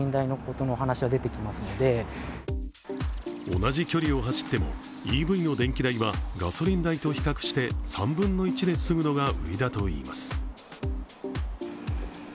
同じ距離を走ってもＥＶの電気代はガソリン代と比較して３分の１で済むのが売りだといいます。